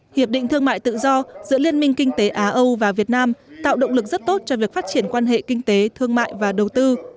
hiệp định thương mại tự do giữa liên minh kinh tế á âu và việt nam tạo động lực rất tốt cho việc phát triển quan hệ kinh tế thương mại và đầu tư